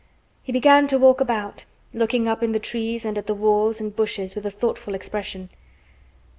He began to walk about, looking up in the trees and at the walls and bushes with a thoughtful expression.